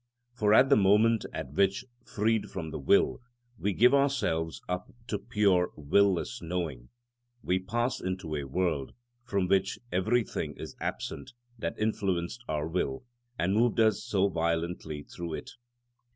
For at the moment at which, freed from the will, we give ourselves up to pure will less knowing, we pass into a world from which everything is absent that influenced our will and moved us so violently through it.